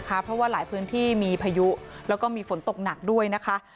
เพราะว่าหลายพื้นที่มีพายุแล้วก็มีฝนตกหนักด้วยนะคะ